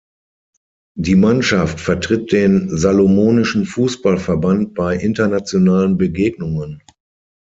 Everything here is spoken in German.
Die Mannschaft vertritt den salomonischen Fußballverband bei internationalen Begegnungen.